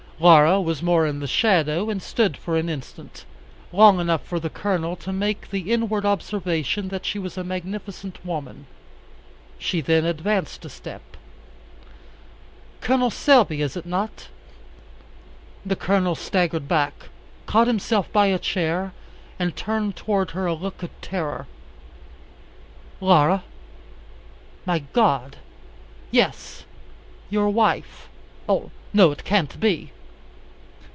Laura was more in the shadow and stood for an instant, long enough for the Colonel to make the inward observation that she was a magnificent Woman. She then advanced a step. "Col. Selby, is it not?" The Colonel staggered back, caught himself by a chair, and turned towards her a look of terror. "Laura? My God!" "Yes, your wife!" "Oh, no, it can't be.